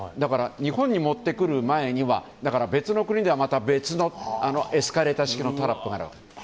日本に持ってくる前には別の国では別のエスカレーター式タラップがあるわけです。